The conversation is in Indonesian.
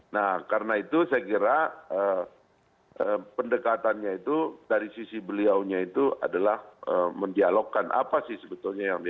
nah karena itu saya kira pendekatannya itu dari sisi beliaunya itu adalah mendialogkan apa sih sebetulnya yang di